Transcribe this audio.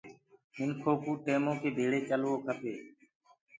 منکو ڪو ٽيمو ڪي ڀيݪي چلوو کپي